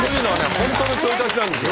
本当のちょい足しなんですよ。